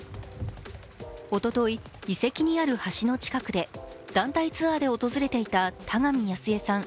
おととい、遺跡にある橋の近くで団体ツアーで訪れていた田上やすえさん